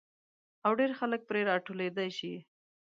او ډېر خلک پرې را ټولېدای شي.